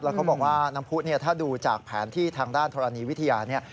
เขาบอกว่าน้ำผู้เนี่ยถ้าดูจากแผนที่ทางด้านธรณีวิทยาเนี่ย